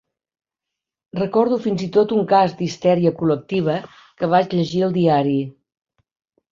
Recordo fins i tot un cas d'histèria col·lectiva que vaig llegir al diari.